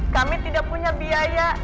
kami tidak punya biaya